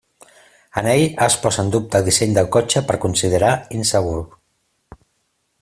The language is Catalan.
En ell es posa en dubte el disseny del cotxe per considerar insegur.